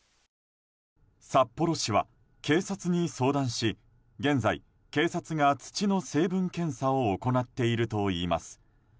札幌市は警察に相談し現在、警察が土の成分検査を行っているといいます。